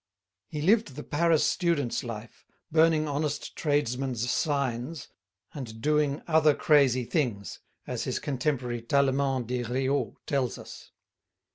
He lived the Paris student's life, burning honest tradesmen's signs and "doing other crazy things," as his contemporary Tallemant des Réaux tells us.